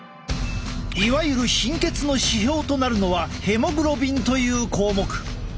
いわゆる貧血の指標となるのはヘモグロビンという項目。